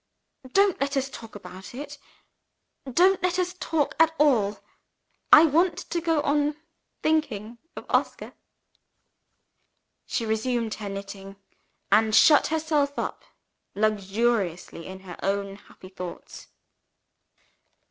Don't let us talk about it! Don't let us talk at all! I want to go on thinking of Oscar." She resumed her knitting, and shut herself up luxuriously in her own happy thoughts.